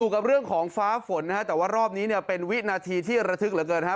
กับเรื่องของฟ้าฝนนะฮะแต่ว่ารอบนี้เนี่ยเป็นวินาทีที่ระทึกเหลือเกินฮะ